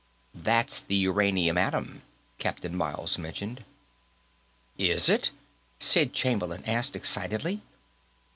"That's a uranium atom," Captain Miles mentioned. "It is?" Sid Chamberlain asked, excitedly.